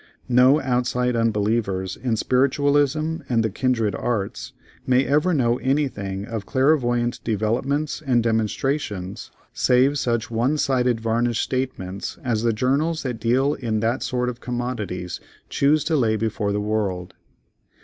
No outside unbelievers in Spiritualism and the kindred arts may ever know anything of clairvoyant developments and demonstrations, save such one sided varnished statements as the journals that deal in that sort of commodities choose to lay before the world.